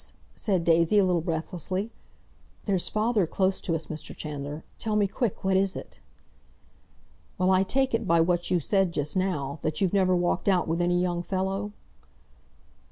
said Daisy a little breathlessly. "There's father close to us, Mr. Chandler. Tell me quick; what is it?" "Well, I take it, by what you said just now, that you've never walked out with any young fellow?"